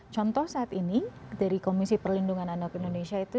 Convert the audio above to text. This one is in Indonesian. contoh saat ini dari komisi perlindungan anak indonesia itu